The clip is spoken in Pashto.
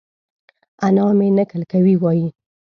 انا مې؛ نکل کوي وايي؛